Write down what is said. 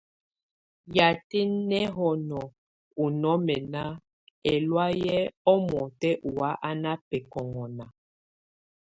Yatɛ nɛhɔnɔ ɔ nɔmɛna, ɛlɔa yɛ ɔmɔtɛ ɔwa ana bɛkɔŋɔna.